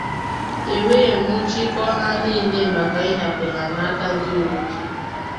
e wee nwụchikọọ ha niile maka ịhafè ha n'aka ndị uweojii.